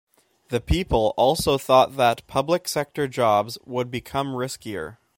The people also thought that public sector jobs would become riskier.